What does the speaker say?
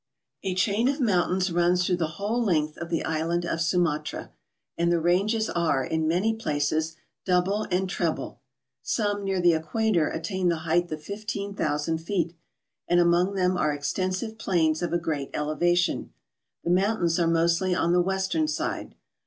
A CHAIN of mountains runs through the whole length of the island of Sumatra; and the ranges are, in many places, double and treble. Some near the equator attain the height of 15,000 feet; and among them are extensive plains of a great elevation. The mountains are mostly on the western side.